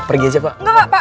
pergi aja pak